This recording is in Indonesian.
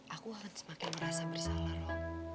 aku akan semakin merasa bersalah roh